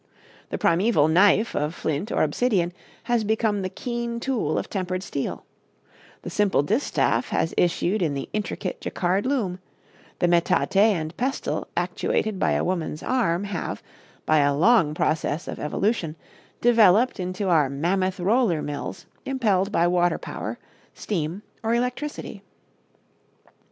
The primeval knife of flint or obsidian has become the keen tool of tempered steel; the simple distaff has issued in the intricate Jacquard loom; the metate and pestle actuated by a woman's arm have, by a long process of evolution, developed into our mammoth roller mills impelled by water power, steam or electricity.